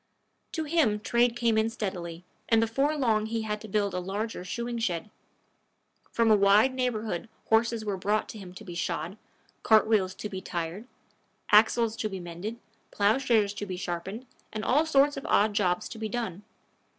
To him trade came in steadily, and before long he had to build a larger shoeing shed. From a wide neighborhood horses were brought him to be shod, cart wheels to be tired, axles to be mended, plowshares to be sharpened, and all sorts of odd jobs to be done.